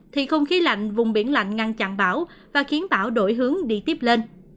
thì không khí lạnh vùng biển lạnh ngăn chặn bão và khiến bão đổi hướng đi tiếp lên